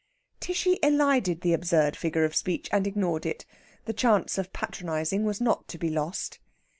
Tishy elided the absurd figure of speech and ignored it. The chance of patronising was not to be lost.